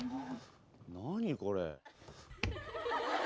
何これ？」。